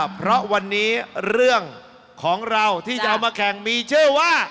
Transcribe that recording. เพราะวันนี้เรื่องของเราที่จะเอามาแข่งมีชื่อว่า